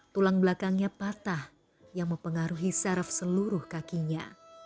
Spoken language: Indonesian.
tulang belakangnya patah yang mempengaruhi saraf seluruh kakinya